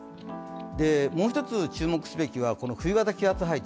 もう一つ注目すべきはこの冬型気圧配置。